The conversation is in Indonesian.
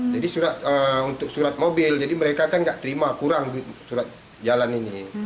jadi untuk surat mobil jadi mereka kan gak terima kurang duit surat jalan ini